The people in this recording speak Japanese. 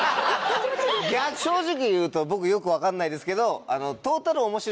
正直言うと僕よく分かんないですけど。